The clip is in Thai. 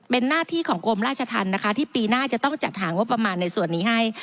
เป็นหน้าที่ของกรมราชธรรมนะคะที่ปีหน้าจะต้องจัดหางบประมาณในส่วนนี้ให้